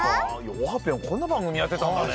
オハぴょんこんなばんぐみやってたんだね。